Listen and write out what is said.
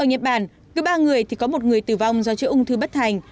ở nhật bản cứ ba người thì có một người tử vong do chữa ung thư bất thành